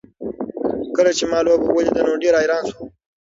کله چې ما لوبه ولیده نو ډېر حیران شوم.